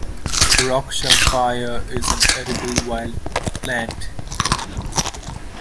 Rock samphire is an edible wild plant.